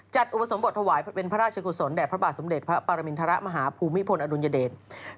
อุปสมบทถวายเป็นพระราชกุศลแด่พระบาทสมเด็จพระปรมินทรมาฮภูมิพลอดุลยเดช